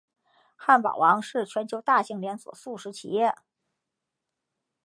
汉堡王是全球大型连锁速食企业。